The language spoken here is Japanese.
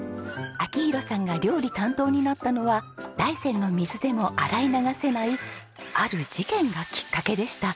明宏さんが料理担当になったのは大山の水でも洗い流せないある事件がきっかけでした。